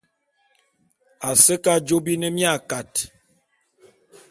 A se ke ajô bi ne mia kat.